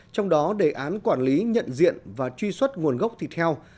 trong đó đề án quản lý nhận diện và truy xuất nguồn gốc thịt heo